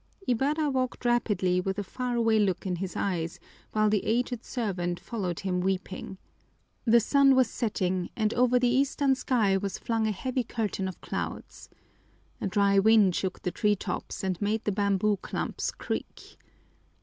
Ibarra walked rapidly with a far away look in his eyes, while the aged servant followed him weeping. The sun was setting, and over the eastern sky was flung a heavy curtain of clouds. A dry wind shook the tree tops and made the bamboo clumps creak.